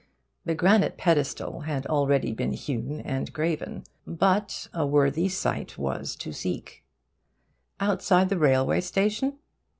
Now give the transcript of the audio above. The granite pedestal had already been hewn and graven; but a worthy site was to seek. Outside the railway station?